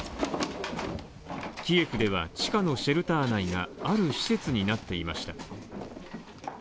キエフでは、地下のシェルター内がある施設になっていました。